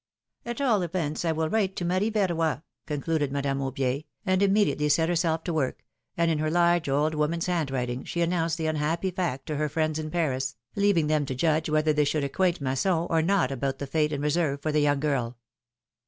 '^At all events I will write to Marie Verroy," concluded Madame Aubier, and immediately set herself to work, and in her large old woman's handwriting she announced the imhapjiy fact to her friends in Paris, leaving them to judge whethca* they should acquaint Masson or not about the fate in reserve for the young girl.